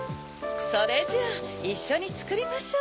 それじゃあいっしょにつくりましょうか。